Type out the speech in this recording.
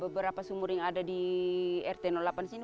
beberapa sumur yang ada di rt delapan sini